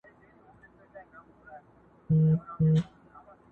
کرۍ ورځ به ومه ستړی ډکول مي ګودامونه!!